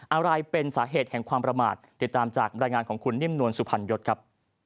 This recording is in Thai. อะไรเป็นสาเหตุแห่งความประมาทติดตามจากบรรยายงานของคุณนิ่มนวลสุพรรณยศครับ